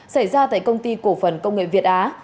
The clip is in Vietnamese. xảy ra tại công ty cổ phần công nghệ việt á